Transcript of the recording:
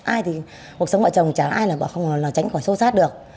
ai thì cuộc sống mọi chồng chẳng ai là bảo không là tránh khỏi xô xát được